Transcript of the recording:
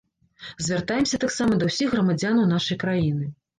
Звяртаемся таксама да ўсіх грамадзянаў нашай краіны.